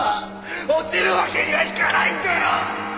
落ちるわけにはいかないんだよ！